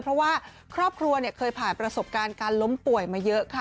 เพราะว่าครอบครัวเคยผ่านประสบการณ์การล้มป่วยมาเยอะค่ะ